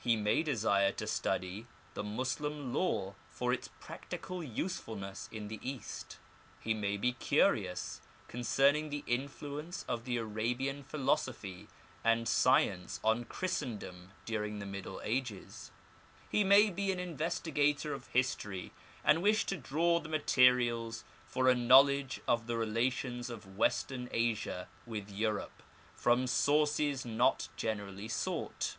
He may desire to study the Moslem law for its practical usefulness in the East ; he may be curious concerning the influence of the Arabian philosophy and science on Christendom during the Middle Ages ; hie may be an investigator of history, and wish to draw the materials for a knowledge of the relations of Western Asia with Europe from sources not generally sought.